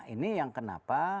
ini yang kenapa